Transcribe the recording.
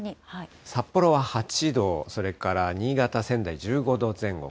札幌は８度、それから新潟、仙台１５度前後。